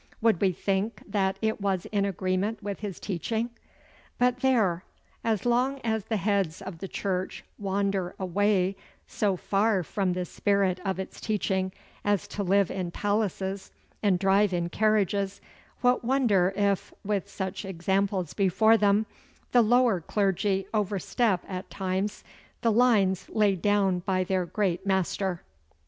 Would we think that it was in agreement with His teaching? But there! As long as the heads of the Church wander away so far from the spirit of its teaching as to live in palaces and drive in carriages, what wonder if, with such examples before them, the lower clergy overstep at times the lines laid down by their great Master?